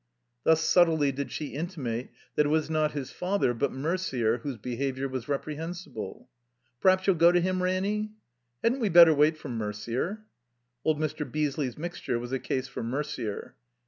'' Thus subtly did she intimate that it was not his father but Merder whose behavior was reprehen sible. "PVaps youTl go to him, Ranny?" "Hadn't we better wait for Merder?" (Old Mr. Beesley's mixttire was a case for Mer der.)